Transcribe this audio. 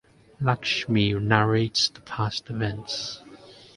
Lakshmi narrates the past events.